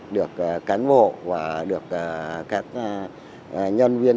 được cán bộ và được các nhân viên